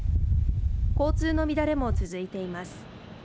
交通の乱れも続いています